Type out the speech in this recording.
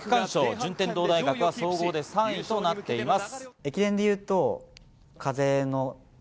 順天堂大学は総合で３位となっています。